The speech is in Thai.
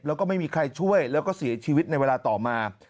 แล้วก็ไม่มีใครช่วยแล้วก็เสียชีวิตในเวลาต่อมา